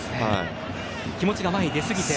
気持ちが前に出すぎて。